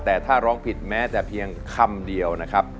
แต่ถ้าร้องผิดแม้แต่เพียงคำเดียวนะครับ